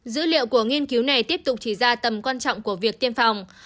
dữ liệu của nghiên cứu này tiếp tục chỉ ra tầm quan trọng của việc tiêm phòng